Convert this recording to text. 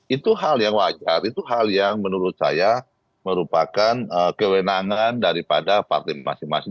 itu hal yang wajar itu hal yang menurut saya merupakan kewenangan daripada partai masing masing